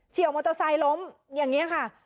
ี่ยวมอเตอร์ไซค์ล้มอย่างนี้ค่ะ